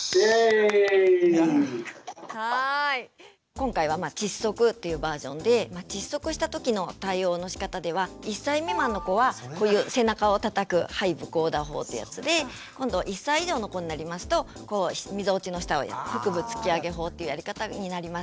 今回は窒息というバージョンで１歳未満の子はこういう背中をたたく背部叩打法ってやつで１歳以上の子になりますとみぞおちの下を腹部突き上げ法っていうやり方になります。